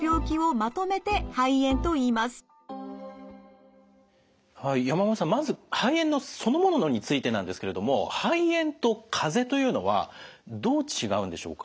まず肺炎のそのものについてなんですけれども肺炎とかぜというのはどう違うんでしょうか？